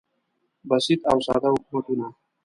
بسیط او ساده حکومتونه